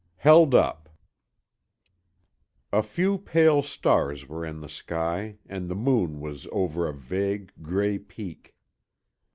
XXIX HELD UP A few pale stars were in the sky and the moon was over a vague, gray peak.